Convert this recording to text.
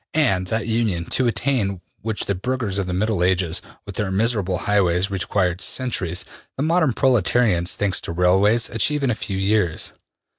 And that union, to attain which the burghers of the Middle Ages, with their miserable highways, required centuries, the modern proletarians, thanks to railways, achieve in a few years.